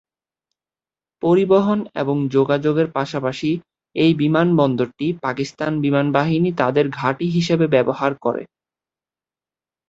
পরিবহন এবং যোগাযোগের পাশাপাশি এই বিমানবন্দরটি পাকিস্তান বিমানবাহিনী তাদের ঘাঁটি হিসেবে ব্যবহার করে।